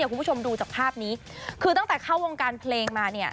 คุณผู้ชมดูจากภาพนี้คือตั้งแต่เข้าวงการเพลงมาเนี่ย